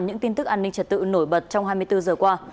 những tin tức an ninh trật tự nổi bật trong hai mươi bốn giờ qua